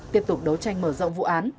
tiếp tục đấu tranh mở rộng vụ án